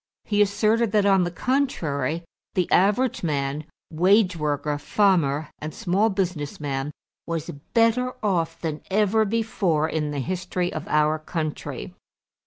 He asserted that, on the contrary, the average man, wage worker, farmer, and small business man, was better off than ever before in the history of our country.